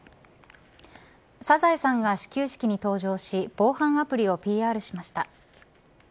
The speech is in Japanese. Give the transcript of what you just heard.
サザエさんが始球式に登場し防犯アプリをＰＲしました。